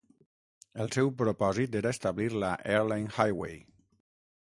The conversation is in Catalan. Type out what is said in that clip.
El seu propòsit era establir la "Airline Highway".